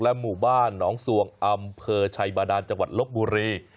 หมู่บ้านหนองสวงอำเภอชัยบาดานจังหวัดลบบุรี